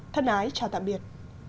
thân ái chào tạm biệt